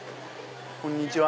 こんにちは。